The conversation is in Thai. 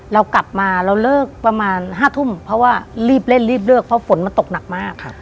เรากลับมาเราเลิกประมาณ๕ทุ่มเพราะว่ารีบเล่นรีบเลิกเพราะฝนมันตกหนักมาก